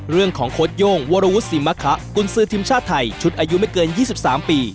เรื่องของโคตรโยงวรวุฒิสิมมะคะกุญศือทีมชาติไทยชุดอายุไม่เกิน๒๓ปี